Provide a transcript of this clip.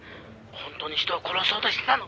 本当に人を殺そうとしてたの。